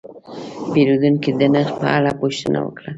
پیرودونکی د نرخ په اړه پوښتنه وکړه.